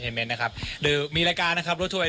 สวดไหมสวดครับสวดสวดไม่มากแต่ไทยากเยอะครับเฮ้ย